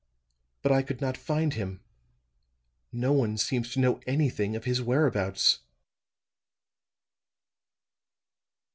But I could not find him. No one seems to know anything of his whereabouts."